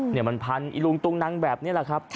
เนี่ยมันพันอิลุงตุงนังแบบนี้แหละครับ